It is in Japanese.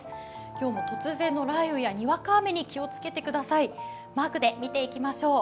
今日も突然の雷雨やにわか雨に気をつけてください。